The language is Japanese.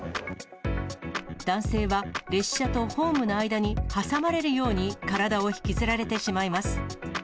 男性は列車とホームの間に挟まれるように体を引きずられてしまいます。